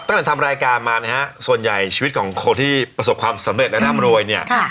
ตั้งแต่ทำรายการมานะฮะส่วนใหญ่ชีวิตของคนที่ประสบความสำเร็จและร่ำรวยเนี่ย